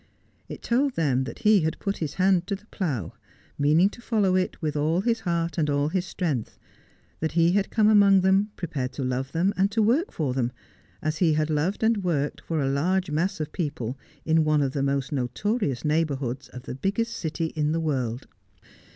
It told them that he had put his hand to the plough, meaning to follow it with all his heart and all his strength ; that he had come among them prepared to love them and to work for them, as he had loved and worked for a large mass of people in one of the most notorious neighbourhoods of the biggest city in the world.